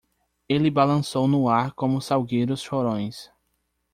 Ele balançou no ar como salgueiros chorões.